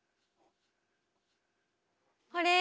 あれ？